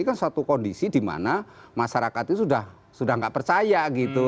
ini kan suatu kondisi dimana masyarakatnya sudah nggak percaya gitu